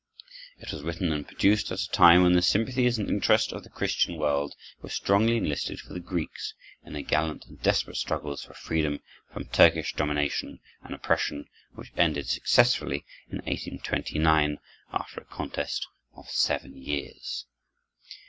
It was written and produced at a time when the sympathies and interest of the Christian world were strongly enlisted for the Greeks in their gallant and desperate struggles for freedom from Turkish domination and oppression which ended successfully in 1829, after a contest of seven years.